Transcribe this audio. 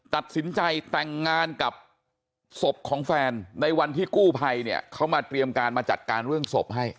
ตัดสินใจแต่งงานกับศพของแฟนในวันที่กู้ภัยเนี่ยเขามาเตรียมการมาจัดการเรื่องศพให้